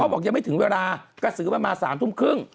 บอกยังไม่ถึงเวลากระสือมันมา๓ทุ่มครึ่ง